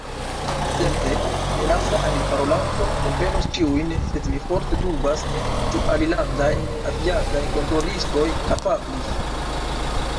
Certe, denaska angleparolanto komprenus ĉiujn, sed mi forte dubas, ĉu alilandaj aviadaj kontrolistoj kapablus.